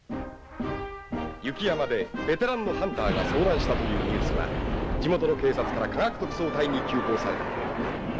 雪山でベテランのハンターが遭難したというニュースは地元の警察から科学特捜隊に急報された。